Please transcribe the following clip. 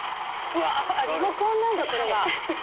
リモコンなんだこれが。